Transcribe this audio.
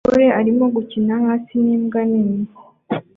Umugore arimo gukina hasi n'imbwa nini